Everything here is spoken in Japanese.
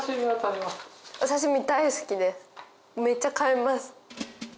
めっちゃ買います。